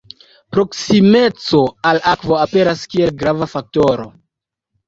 Proksimeco al akvo aperas kiel grava faktoro.